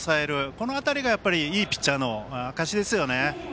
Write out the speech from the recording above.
この辺りがいいピッチャーの証しですよね。